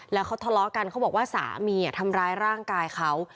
แล้วเขาทะเลาะกันเขาบอกว่าสามีทำร้ายร่างกายเขา